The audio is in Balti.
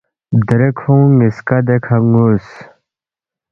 دیرےکھونگ نِ٘یسکا دیکھہ نُ٘وس